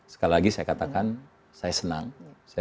saya sudah terasa bahwa negara ini adalah negara yang sangat menarik